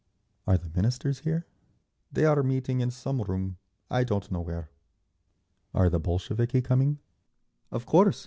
"Are the Ministers here?" "They are meeting in some room—I don't know where.' "Are the Bolsheviki coming?" "Of course.